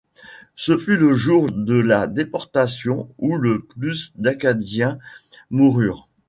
Ce fut le jour de la Déportation où le plus d'Acadiens moururent.